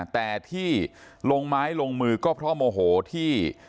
แต่ที่ลงไม้ลงมือก็เพราะโมโหที่